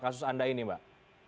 kasus anda ini mbak